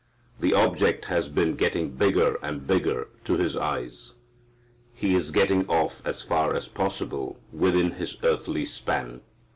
The object has been getting bigger and bigger to his eyes. He is getting off as far as possible within his earthly span.